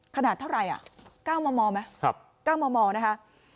ขนาดเท่าไรอ่ะเก้าเมาเมาไหมครับเก้าเมาเมานะคะ